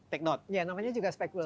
tak perlu ya namanya juga spekulasi